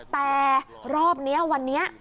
แต่รอบนี้วันนี้